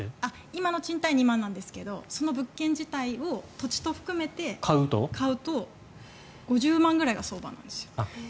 今の賃貸２万なんですけどその物件自体を土地も含めて買うと５０万ぐらいが相場なんですよ。